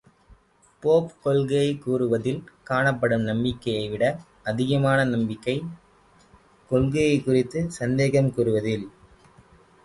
Pope கொள்கையைக் கூறுவதில் காணப்படும் நம்பிக்கையைவிட அதிகமான நம்பிக்கை, கொள்கையைக் குறித்து சந்தேகம் கூறுவதில் காணப்படும்.